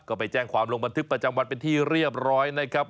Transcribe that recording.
ก็ไปแจ้งความลงบันทึกประจำวันเป็นที่เรียบร้อยนะครับ